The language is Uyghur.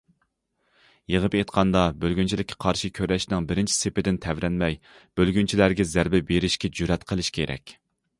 يىغىپ ئېيتقاندا، بۆلگۈنچىلىككە قارشى كۈرەشنىڭ بىرىنچى سېپىدىن تەۋرەنمەي، بۆلگۈنچىلەرگە زەربە بېرىشكە جۈرئەت قىلىش كېرەك.